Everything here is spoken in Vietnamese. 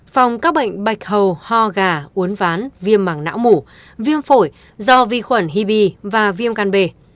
phòng các bệnh bạch hầu ho gà uốn ván viêm mảng não mủ viêm phổi do vi khuẩn hibi và viêm gan bề